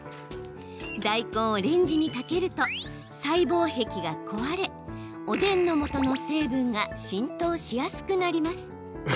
大根をレンジにかけると細胞壁が壊れ、おでんのもとの成分が浸透しやすくなります。